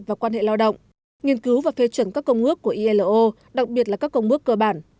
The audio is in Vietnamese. và quan hệ lao động nghiên cứu và phê chuẩn các công ước của ilo đặc biệt là các công ước cơ bản